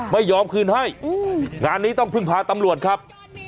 ไม่ยอมคืนให้งานนี้ต้องพึ่งพาตำรวจครับ